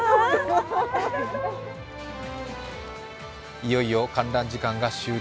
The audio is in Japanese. いよいよ観覧時間が終了。